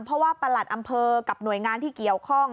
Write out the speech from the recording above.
เพราะว่าประหลัดอำเภอกับหน่วยงานที่เกี่ยวข้อง